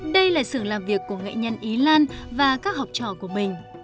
đây là sự làm việc của nghệ nhân ý lan và các học trò của mình